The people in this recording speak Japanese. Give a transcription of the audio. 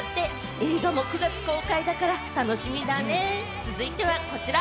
映画も９月公開だから楽しみだね、続いてはこちら！